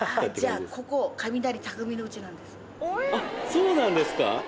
そうなんですか！